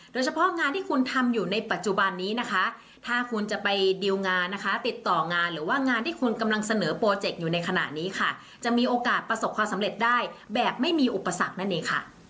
โดยเฉพาะงานที่คุณทำอยู่ในปัจจุบันนี้นะคะถ้าคุณจะไปดิวงานนะคะติดต่องานหรือว่างานที่คุณกำลังเสนอโปรเจกต์อยู่ในขณะนี้ค่ะจะมีโอกาสประสบความสำเร็จได้แบบไม่มีอุปสรรคนั่นเองค่ะ